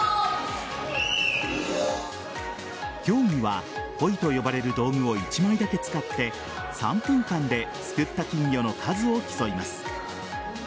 競技はポイと呼ばれる道具を１枚だけ使って３分間ですくった金魚の数を競います。